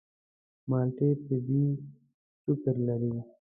مالټې طبیعي شکر لري.